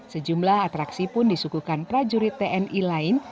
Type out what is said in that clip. sejumlah atraksi pun disukuhkan prajurit tni lain